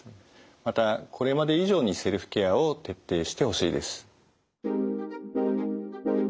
またこれまで以上にセルフケアを徹底してほしいです。